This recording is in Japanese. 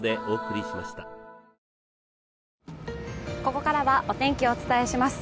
ここからはお天気をお伝えします。